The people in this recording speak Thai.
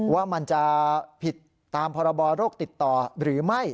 ว่ามันจะผิดตามพรบโรคติดต่อหรือไม่